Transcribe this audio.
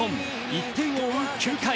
１点を追う９回。